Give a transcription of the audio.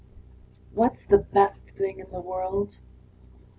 What's the best thing in the world?